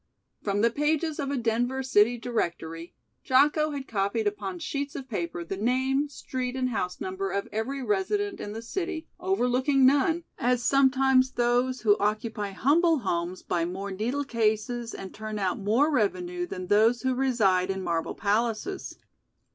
From the pages of a Denver City Directory, Jocko had copied upon sheets of paper the name, street and house number of every resident in the city, overlooking none, as sometimes those who occupy humble homes buy more needle cases and turn out more revenue than those who reside in marble palaces.